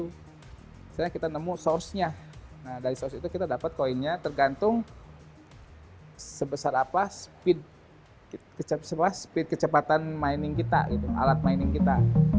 misalnya kita nemu source nya nah dari source itu kita dapat koinnya tergantung sebesar apa speed kecepatan mining kita alat mining kita